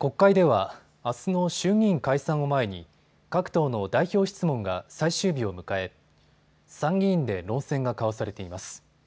国会ではあすの衆議院解散を前に各党の代表質問が最終日を迎え参議院で論戦が交わされています。